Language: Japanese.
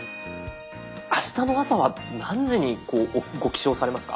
あしたの朝は何時にご起床されますか？